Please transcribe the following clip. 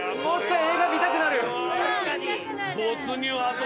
確かに。